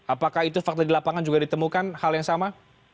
apakah itu fakta di lapangan juga ditemukan hal yang sama